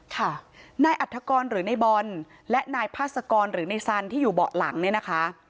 ค่ะนายอัฐกรหรือในบอลและนายพาสกรหรือในสันที่อยู่เบาะหลังเนี่ยนะคะ